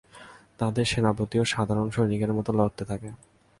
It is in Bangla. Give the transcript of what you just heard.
তাদের সেনাপতিও সাধারণ সৈনিকের মত লড়তে থাকে।